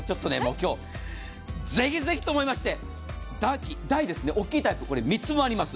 今日、ぜひぜひと思いまして大きいタイプ、３つ分あります。